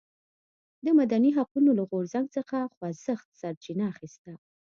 د مدني حقونو له غورځنګ څخه خوځښت سرچینه اخیسته.